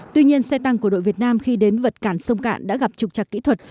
tuy nhiên xe tăng của đội việt nam khi đến vật cản sông cạn đã gặp trục trạc kỹ thuật